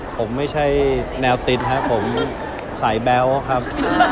ผมไม่ใช่แนวติ๊ดสาบเบ้าครับ